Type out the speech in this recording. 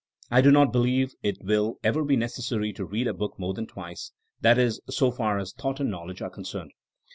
I do not believe it will ever be necessary to read a book more than twice, that is, so far as thought and knowledge are concerned.